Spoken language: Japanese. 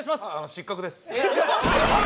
失格です。